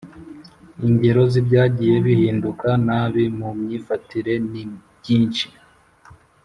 Ingero z'ibyagiye bihinduka nabi mu myifatire ni byinshi: